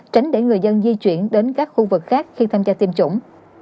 tránh để người dân di chuyển đến các khu vực khác khi tham gia tiêm chủng